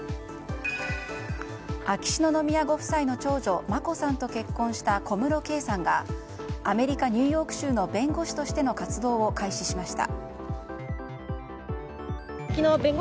秋篠宮ご夫妻の長女・眞子さんと結婚した小室圭さんがアメリカ・ニューヨーク州の弁護士としての活動を開始しました。